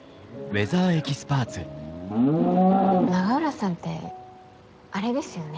永浦さんってあれですよね。